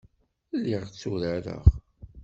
Lliɣ tturareɣ.